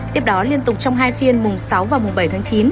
tiếp đó liên tục trong hai phiên mùng sáu và mùng bảy tháng chín